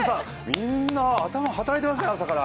みんな、頭働いてますね、朝から。